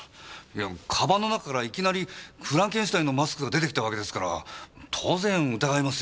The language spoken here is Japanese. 鞄の中からいきなりフランケンシュタインのマスクが出てきたわけですから当然疑いますよ。